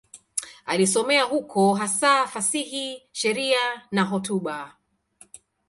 Alisomea huko, hasa fasihi, sheria na hotuba.